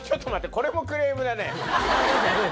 これもクレームだね。